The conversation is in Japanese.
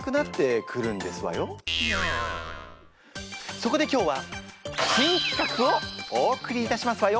そこで今日は新企画をお送りいたしますわよ。